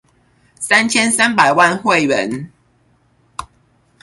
三千三百萬會員